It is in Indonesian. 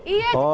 iya tes dulu